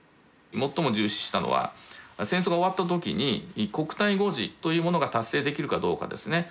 最も重視したのは戦争が終わった時に「国体護持」というものが達成できるかどうかですね。